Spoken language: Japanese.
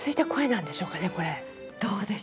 どうでしょうね。